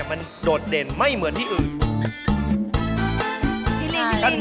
มันโดดเด่นไม่เหมือนที่อื่น